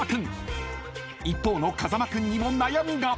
［一方の風間君にも悩みが］